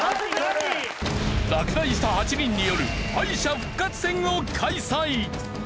落第した８人による敗者復活戦を開催。